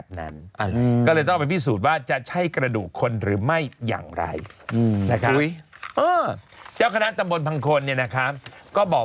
สนุนโดยอีซูซูดีแมคบลูพาวเวอร์นวัตกรรมเปลี่ยนโลก